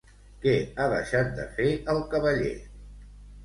Què ha deixat de fer el cavaller?